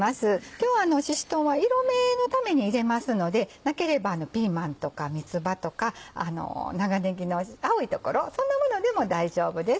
今日しし唐は色みのために入れますのでなければピーマンとか三つ葉とか長ねぎの青い所そんなものでも大丈夫です。